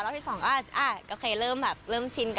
รอบที่สองก็จะเอาเคยเริ่มชิน